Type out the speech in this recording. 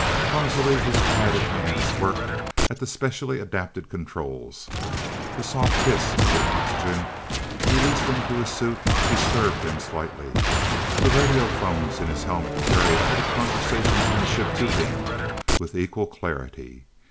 Clumsily his padded hands worked at the specially adapted controls. The soft hiss of the oxygen release into his suit disturbed him slightly. The radio phones in his helmet carried all the conversations in the ship to him with equal clarity.